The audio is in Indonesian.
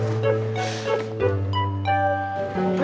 nggak ada apa apa